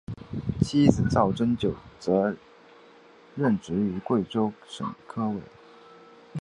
妻子赵曾玖则任职于贵州省科委。